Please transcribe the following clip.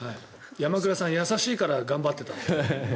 山倉さんは優しいから頑張ってた。